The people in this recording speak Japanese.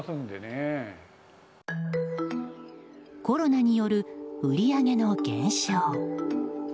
コロナによる売り上げの減少。